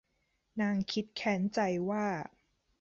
นางคิดแค้นใจว่า